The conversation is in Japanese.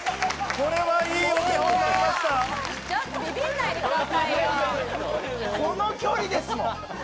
この距離ですよ。